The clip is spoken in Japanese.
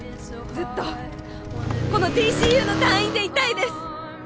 ずっとこのＤＣＵの隊員でいたいです